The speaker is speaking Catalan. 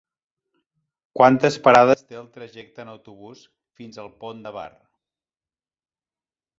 Quantes parades té el trajecte en autobús fins al Pont de Bar?